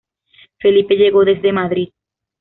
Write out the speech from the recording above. Felipe llegó desde Madrid.